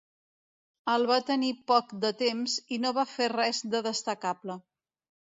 El va tenir poc de temps i no va fer res de destacable.